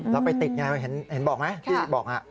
แล้วไปติดไงเห็นบอกไหมที่บอก